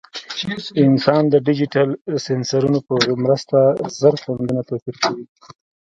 انسان د ډیجیټل سینسرونو په مرسته زر خوندونه توپیر کوي.